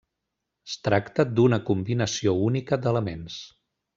Es tracta d'una combinació única d'elements.